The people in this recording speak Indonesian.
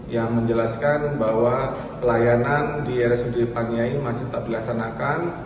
yang menjelaskan bahwa pelayanan di rsud paniai masih tetap dilaksanakan